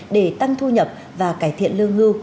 để tăng thu nhập và cải thiện lương hưu